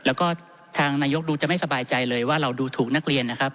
แล้วก็ทางนายกดูจะไม่สบายใจเลยว่าเราดูถูกนักเรียนนะครับ